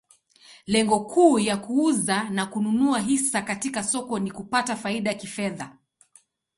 Lengo kuu ya kuuza na kununua hisa katika soko ni kupata faida kifedha.